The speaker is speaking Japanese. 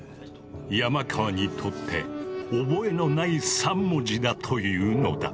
山川にとって覚えのない３文字だというのだ。